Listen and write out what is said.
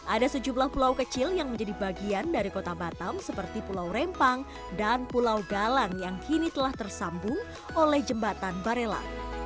ada sejumlah pulau kecil yang menjadi bagian dari kota batam seperti pulau rempang dan pulau galang yang kini telah tersambung oleh jembatan barela